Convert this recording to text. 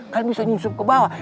kan bisa nyusup ke bawah